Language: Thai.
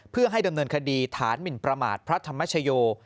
เพื่อให้ดำเนินคดีฐานหมินประมาทพระธรรมชโย